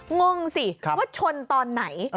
งงสิว่าชนตอนไหน